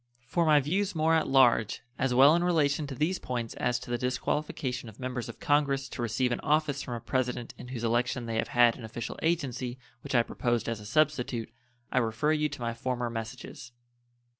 For my views more at large, as well in relation to these points as to the disqualification of members of Congress to receive an office from a President in whose election they have had an official agency, which I proposed as a substitute, I refer you to my former messages.